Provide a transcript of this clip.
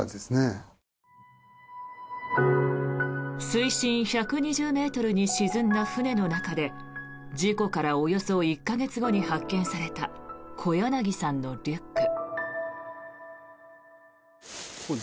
水深１２０ｍに沈んだ船の中で事故からおよそ１か月後に発見された小柳さんのリュック。